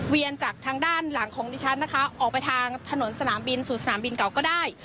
จากทางด้านหลังของดิฉันนะคะออกไปทางถนนสนามบินสู่สนามบินเก่าก็ได้